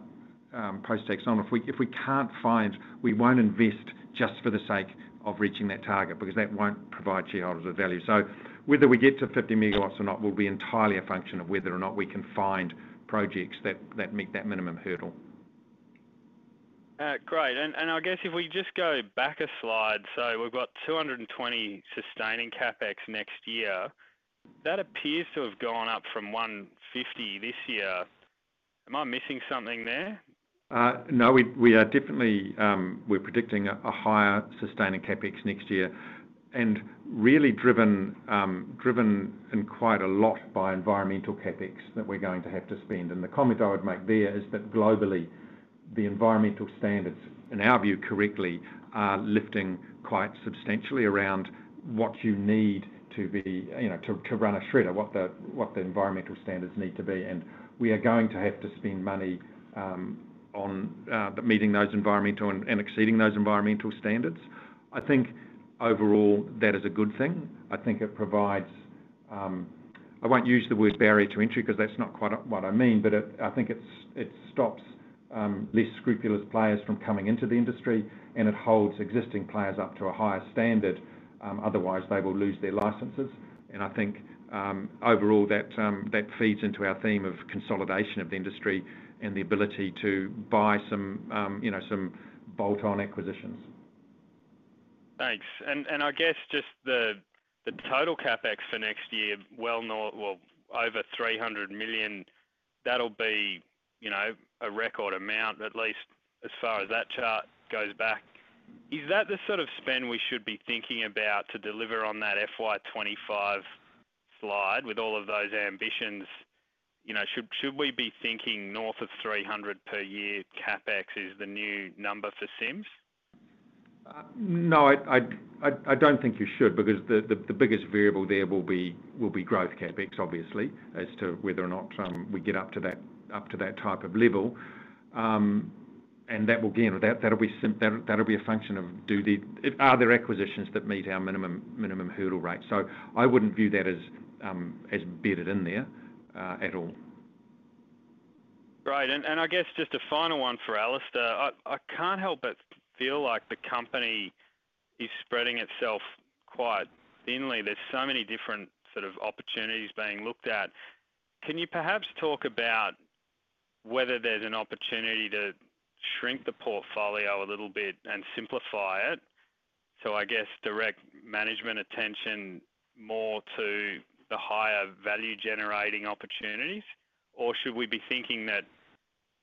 If we can't find, we won't invest just for the sake of reaching that target because that won't provide shareholders with value. Whether we get to 50 megawatts or not will be entirely a function of whether or not we can find projects that meet that minimum hurdle. Great. I guess if we just go back a slide, so we've got 220 sustaining CapEx next year. That appears to have gone up from 150 this year. Am I missing something there? No. We are definitely predicting a higher sustaining CapEx next year, and really driven and quite a lot by environmental CapEx that we're going to have to spend. The comment I would make there is that globally, the environmental standards, in our view correctly, are lifting quite substantially around what you need to be, you know, to run a shredder, what the environmental standards need to be, and we are going to have to spend money on meeting those environmental and exceeding those environmental standards. I think overall that is a good thing. I think it provides. I won't use the word barrier to entry 'cause that's not quite what I mean, but it, I think it stops less scrupulous players from coming into the industry, and it holds existing players up to a higher standard, otherwise they will lose their licenses. I think overall that feeds into our theme of consolidation of the industry and the ability to buy some, you know, some bolt-on acquisitions. Thanks. I guess just the total CapEx for next year, well, over 300 million, that'll be, you know, a record amount, at least as far as that chart goes back. Is that the sort of spend we should be thinking about to deliver on that FY 25 slide with all of those ambitions? You know, should we be thinking north of 300 per year CapEx is the new number for Sims? No, I don't think you should because the biggest variable there will be growth CapEx, obviously, as to whether or not we get up to that type of level. That'll be a function of are there acquisitions that meet our minimum hurdle rate. I wouldn't view that as bedded in there at all. Right. I guess just a final one for Alistair. I can't help but feel like the company is spreading itself quite thinly. There's so many different sort of opportunities being looked at. Can you perhaps talk about? Whether there's an opportunity to shrink the portfolio a little bit and simplify it. I guess direct management attention more to the higher value-generating opportunities, or should we be thinking that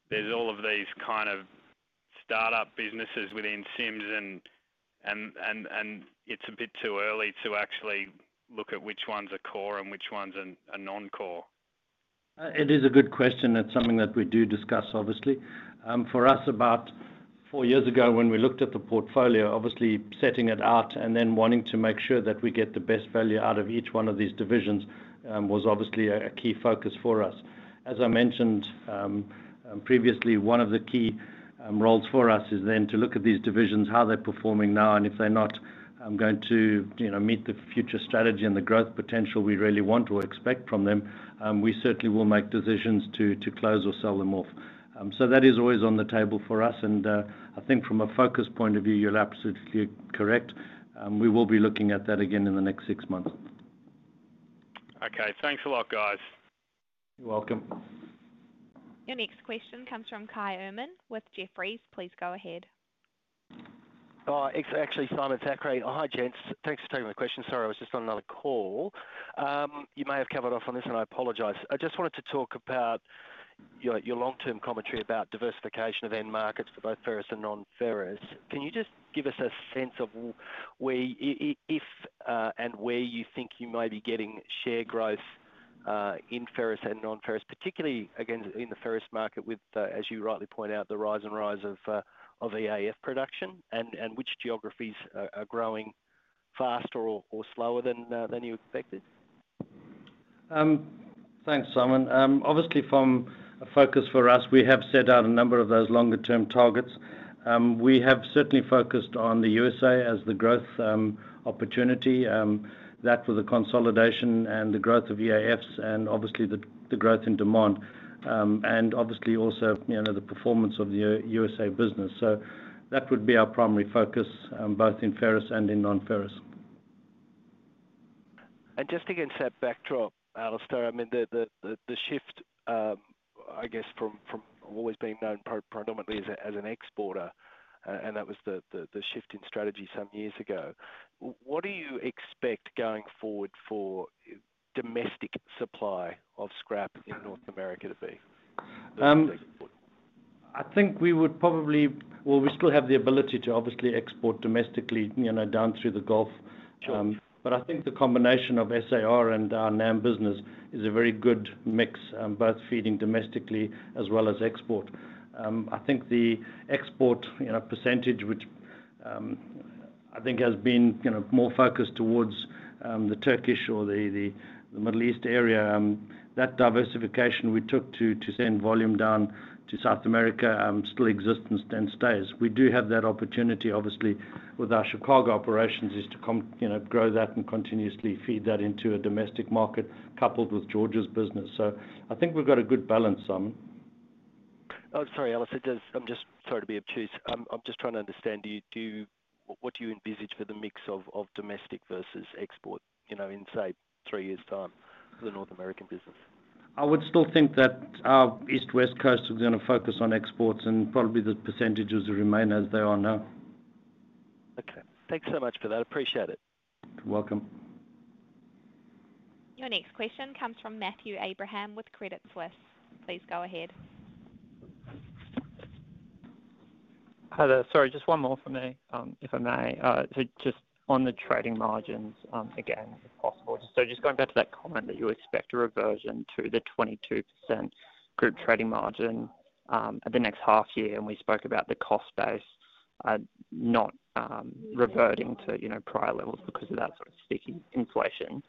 there's all of these kind of startup businesses within Sims and it's a bit too early to actually look at which ones are core and which ones are non-core? It is a good question. It's something that we do discuss, obviously. For us, about four years ago when we looked at the portfolio, obviously setting it out and then wanting to make sure that we get the best value out of each one of these divisions, was obviously a key focus for us. As I mentioned, previously, one of the key roles for us is then to look at these divisions, how they're performing now, and if they're not going to, you know, meet the future strategy and the growth potential we really want or expect from them, we certainly will make decisions to close or sell them off. That is always on the table for us, and I think from a focus point of view, you're absolutely correct. We will be looking at that again in the next six months. Okay. Thanks a lot, guys. You're welcome. Your next question comes from Simon Thackray with Jefferies. Please go ahead. It's actually Simon Thackray. Hi, gents. Thanks for taking my question. Sorry, I was just on another call. You may have covered off on this, and I apologize. I just wanted to talk about your long-term commentary about diversification of end markets for both ferrous and non-ferrous. Can you just give us a sense of where you think you may be getting share growth in ferrous and non-ferrous, particularly again in the ferrous market with, as you rightly point out, the rise and rise of EAF production and which geographies are growing faster or slower than you expected? Thanks, Simon. Obviously a focus for us, we have set out a number of those longer term targets. We have certainly focused on the USA as the growth opportunity for the consolidation and the growth of EAFs and obviously the growth in demand, and obviously also, you know, the performance of the USA business. That would be our primary focus, both in ferrous and in non-ferrous. Just against that backdrop, Alistair, I mean, the shift, I guess from always being known predominantly as an exporter, and that was the shift in strategy some years ago. What do you expect going forward for domestic supply of scrap in North America to be? Well, we still have the ability to obviously export domestically, you know, down through the Gulf. Sure. I think the combination of SAR and our NAM business is a very good mix, both feeding domestically as well as export. I think the export, you know, percentage, which, I think has been, you know, more focused towards, the Turkish or the Middle East area, that diversification we took to send volume down to South America, still exists and stays. We do have that opportunity, obviously, with our Chicago operations is to you know, grow that and continuously feed that into a domestic market coupled with George's business. I think we've got a good balance, Simon. Oh, sorry, Alistair. I'm just sorry to be obtuse. I'm just trying to understand. What do you envisage for the mix of domestic versus export, you know, in say three years' time for the North American business? I would still think that our East, West Coast are gonna focus on exports and probably the percentages remain as they are now. Okay. Thank you so much for that. Appreciate it. You're welcome. Your next question comes from Matthew Abraham with Credit Suisse. Please go ahead. Hello. Sorry, just one more from me, if I may. Just on the trading margins, again, if possible. Just going back to that comment that you expect a reversion to the 22% group trading margin, at the next half year, and we spoke about the cost base, not reverting to, you know, prior levels because of that sort of sticky inflation.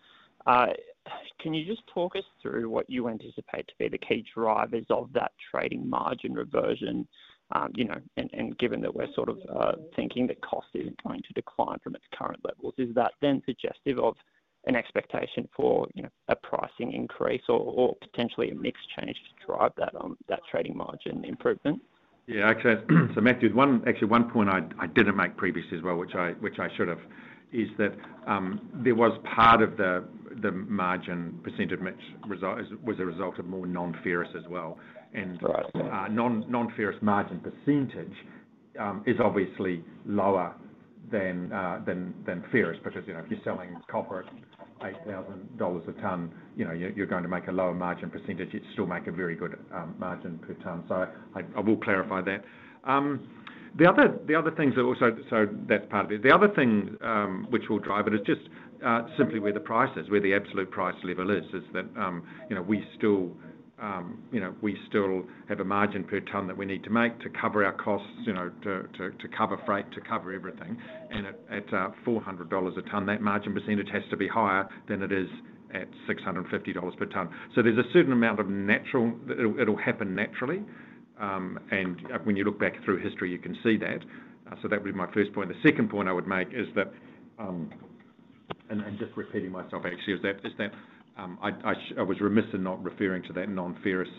Can you just talk us through what you anticipate to be the key drivers of that trading margin reversion, you know, and given that we're sort of thinking that cost isn't going to decline from its current levels, is that then suggestive of an expectation for, you know, a pricing increase or potentially a mix change to drive that trading margin improvement? Yeah, okay. Matthew, actually one point I didn't make previously as well, which I should have, is that there was part of the margin percentage which was a result of more non-ferrous as well. Right. Non-ferrous margin percentage is obviously lower than ferrous. Because, you know, if you're selling copper at $8,000 a ton, you know, you're going to make a lower margin percentage. You'd still make a very good margin per ton. I will clarify that. The other things are also. That's part of it. The other thing which will drive it is just simply where the price is, where the absolute price level is, that you know, we still have a margin per ton that we need to make to cover our costs, you know, to cover freight, to cover everything. At $400 a ton, that margin percentage has to be higher than it is at $650 per ton. There's a certain amount of natural. It'll happen naturally, and when you look back through history you can see that. That would be my first point. The second point I would make is that, and I'm just repeating myself actually, is that, I was remiss in not referring to that non-ferrous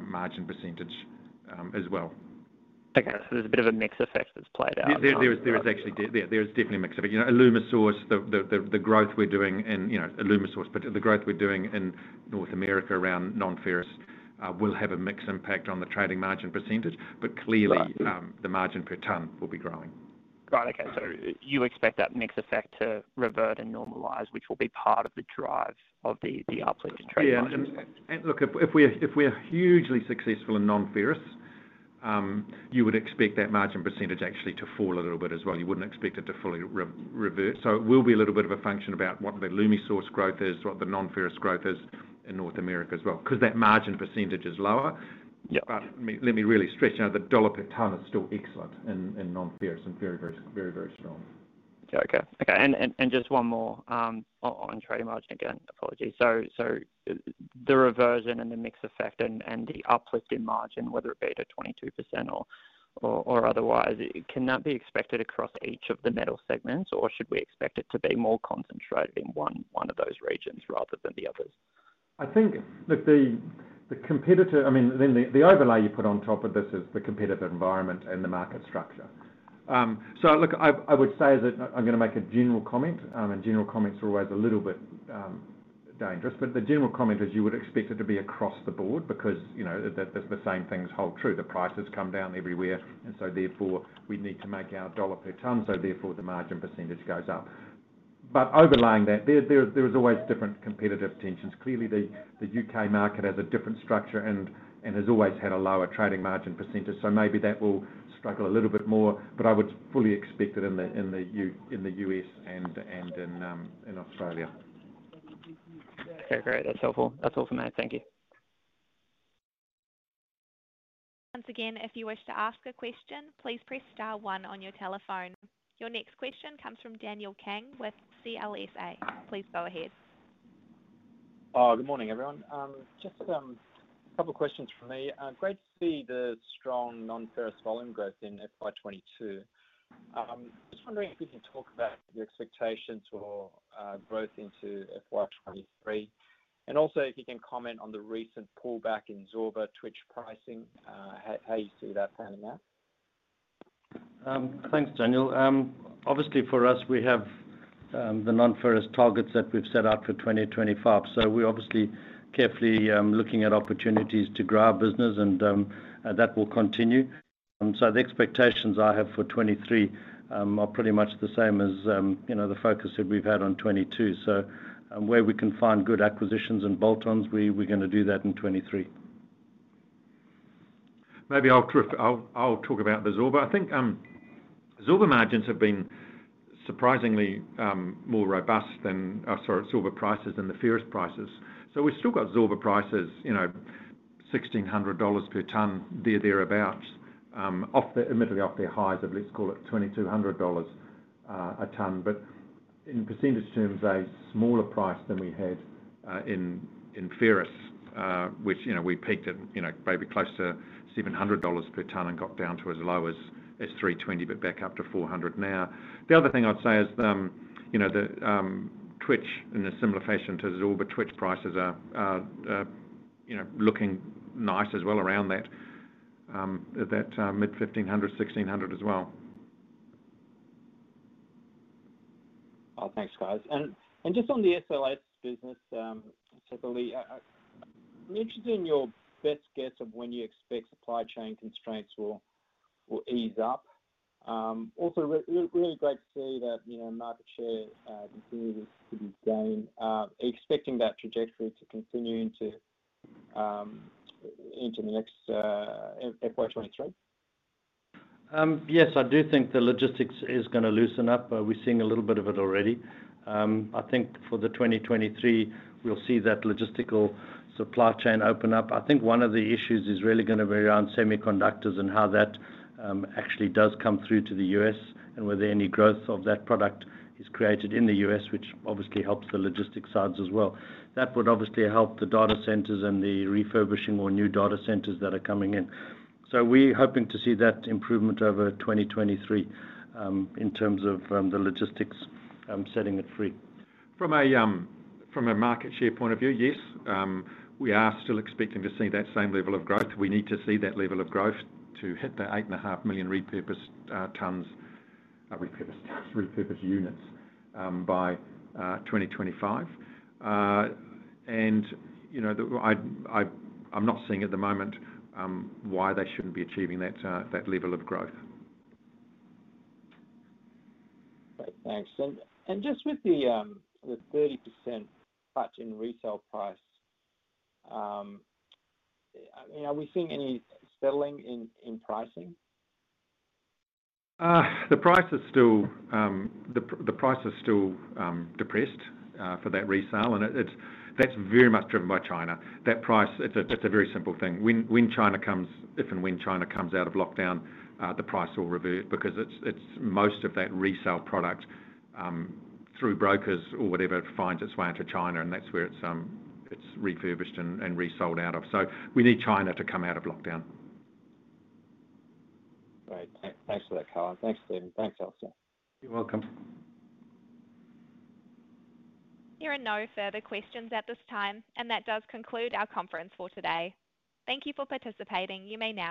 margin percentage, as well. Okay, there's a bit of a mix effect that's played out. Yeah, there is definitely a mix. You know, Alumisource, the growth we're doing in North America around non-ferrous will have a mixed impact on the trading margin percentage. Clearly- Right the margin per ton will be growing. Got it. Okay. You expect that mix effect to revert and normalize, which will be part of the drive of the uplift in trading margin? If we're hugely successful in non-ferrous, you would expect that margin percentage actually to fall a little bit as well. You wouldn't expect it to fully revert. It will be a little bit of a function about what the Alumisource growth is, what the non-ferrous growth is in North America as well, 'cause that margin percentage is lower. Yeah. Let me really stress, you know, the dollar per ton is still excellent in non-ferrous and very strong. Just one more on trading margin again. Apologies. The reversion and the mix effect and the uplift in margin, whether it be at a 22% or otherwise, can that be expected across each of the metal segments, or should we expect it to be more concentrated in one of those regions rather than the others? I think that the overlay you put on top of this is the competitive environment and the market structure. I would say that I'm gonna make a general comment, and general comments are always a little bit dangerous. The general comment is you would expect it to be across the board because, you know, the same things hold true. The prices come down everywhere, and so therefore we need to make our dollar per ton, so therefore the margin percentage goes up. Overlying that, there is always different competitive tensions. Clearly, the U.K. market has a different structure and has always had a lower trading margin percentage, so maybe that will struggle a little bit more. I would fully expect it in the U.S. and in Australia. Okay, great. That's helpful. That's all from me. Thank you. Your next question comes from Daniel Kang with CLSA. Please go ahead. Good morning, everyone. Just a couple questions from me. Great to see the strong non-ferrous volume growth in FY 2022. Just wondering if you can talk about your expectations for growth into FY 2023, and also if you can comment on the recent pullback in Zorba Twitch pricing, how you see that panning out. Thanks, Daniel. Obviously for us, we have the non-ferrous targets that we've set out for 2025. We're obviously carefully looking at opportunities to grow our business and that will continue. The expectations I have for 2023 are pretty much the same as you know the focus that we've had on 2022. Where we can find good acquisitions and bolt-ons, we're gonna do that in 2023. Maybe I'll talk about the Zorba. I think Zorba margins have been surprisingly more robust than or sorry, Zorba prices than the ferrous prices. We've still got Zorba prices, you know, $1,600 per ton, thereabouts, admittedly off their highs of, let's call it $2,200 a ton. In percentage terms, a smaller price than we had in ferrous, which, you know, we peaked at, you know, maybe close to $700 per ton and got down to as low as 320, but back up to 400 now. The other thing I'd say is, you know, the Twitch, in a similar fashion to Zorba, Twitch prices are, you know, looking nice as well around that mid-1,500, 1,600 as well. Oh, thanks, guys. Just on the SLS business, particularly, I'm interested in your best guess of when you expect supply chain constraints will ease up. Also really great to see that, you know, market share continues to be gained. Expecting that trajectory to continue into the next FY 2023? Yes, I do think the logistics is gonna loosen up. We're seeing a little bit of it already. I think for 2023, we'll see that logistical supply chain open up. I think one of the issues is really gonna be around semiconductors and how that actually does come through to the US, and whether any growth of that product is created in the US, which obviously helps the logistics sides as well. That would obviously help the data centers and the refurbishing more new data centers that are coming in. We're hoping to see that improvement over 2023, in terms of the logistics setting it free. From a market share point of view, yes, we are still expecting to see that same level of growth. We need to see that level of growth to hit the 8.5 million repurposed units by 2025. You know, I'm not seeing at the moment why they shouldn't be achieving that level of growth. Great. Thanks. Just with the 30% cut in resale price, are we seeing any settling in pricing? The price is still depressed for that resale, and it's very much driven by China. That price, it's a very simple thing. If and when China comes out of lockdown, the price will revert because most of that resale product, through brokers or whatever, finds its way into China, and that's where it's refurbished and resold out of. We need China to come out of lockdown. Great. Thanks for that, Color. Thanks, Stephen. Thanks, Alistair. You're welcome. There are no further questions at this time, and that does conclude our conference for today. Thank you for participating. You may now disconnect.